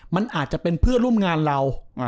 มันอาจจะเป็นเพื่อนร่วมงานเรา